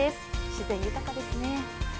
自然豊かですね。